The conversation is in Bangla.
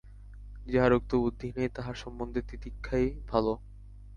যাঁহার উক্ত বুদ্ধি নাই, তাঁহার সম্বন্ধে তিতিক্ষাই ভাল।